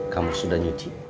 kamu sudah nyuci